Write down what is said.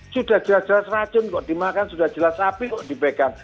sudah jelas jelas racun kok dimakan sudah jelas api kok dipegang